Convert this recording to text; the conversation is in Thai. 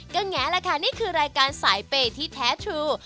ก็แงะแหละค่ะนี่คือรายการสายเปย์ที่แท้ชู